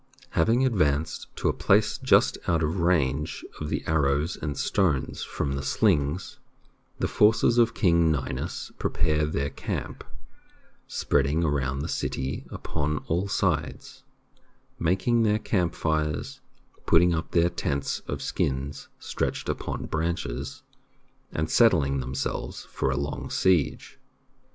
Having advanced to a place just out of range of the arrows and stones from the slings, the forces of King Ninus prepare their camp, spreading around the city upon all sides, making their camp fires, putting up their tents of skins stretched upon branches, and settling themselves for a long siege.